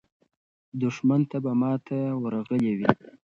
دښمن ته به ماته ورغلې وي.